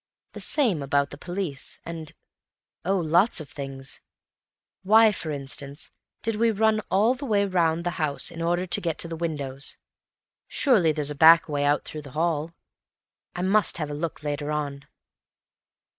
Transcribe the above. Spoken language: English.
The same about the police, and—oh, lots of things. Why, for instance, did we run all the way round the house in order to get to the windows? Surely there's a back way out through the hall. I must have a look later on."